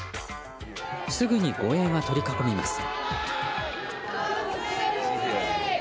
すぐに護衛が取り囲みます。